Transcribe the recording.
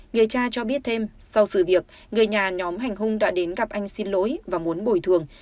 người cha cho biết thêm sau sự việc người nhà nhóm hành hung đã đến gặp anh xin lỗi và muốn bồi thường